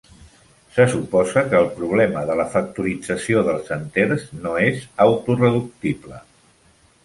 Se suposa que el problema de la factorització dels enters no és autoreductible.